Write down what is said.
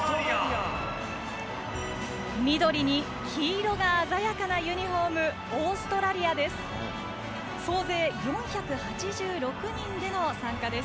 緑に黄色が鮮やかなユニフォームオーストラリアです。